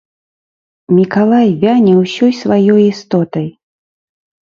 Мікалай вяне ўсёй сваёй істотай.